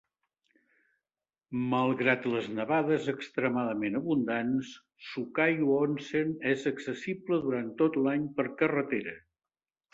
Malgrat les nevades extremadament abundants, Sukayu Onsen és accessible durant tot l'any per carretera.